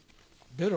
ベロ？